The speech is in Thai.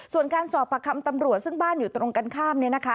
ส่วนการสอบประคำตำรวจซึ่งบ้านอยู่ตรงกันข้าม